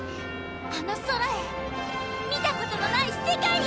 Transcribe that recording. あの空へ見た事のない世界へ！